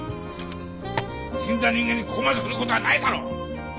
死んだ人間にここまですることはないだろ！